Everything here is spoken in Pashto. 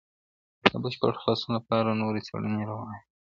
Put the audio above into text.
د بشپړ خلاصون لپاره نورې څېړنې روانې دي.